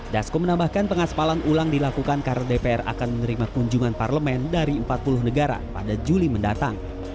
dasko menambahkan pengaspalan ulang dilakukan karena dpr akan menerima kunjungan parlemen dari empat puluh negara pada juli mendatang